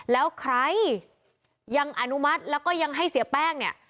แล้วใครยังอนุมัติแล้วก็ยังให้เสียแป้งเนี่ย